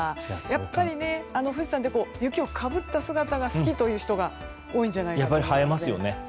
やっぱり富士山って雪をかぶった姿が好きっていう人多いんじゃないですか。